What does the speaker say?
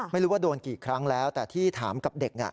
ไม่รู้ว่าโดนกี่ครั้งแล้วแต่ที่ถามกับเด็ก